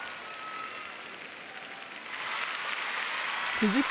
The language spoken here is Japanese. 続く